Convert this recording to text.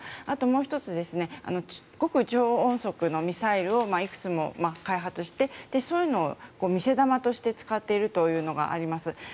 あともう１つ極超音速ミサイルをいくつも開発してそういうのを見せ球として使っているというのがあります。